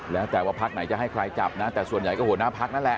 แล้วแต่ว่าพักไหนจะให้ใครจับนะแต่ส่วนใหญ่ก็หัวหน้าพักนั่นแหละ